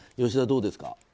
吉田、どうですか。